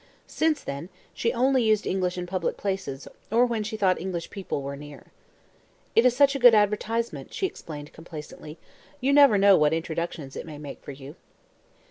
Since then, she only used English in public places, or when she thought English people were near. "It is such a good advertisement," she explained complacently. "You never know what introductions it may make for you."